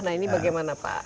nah ini bagaimana pak